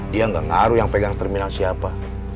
dia nggak ngaruh yang pegang terminal siapa